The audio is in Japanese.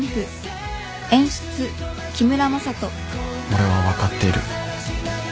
俺は分かっている